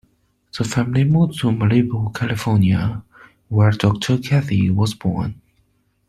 The family moved to Malibu, California, where daughter Kathy was born.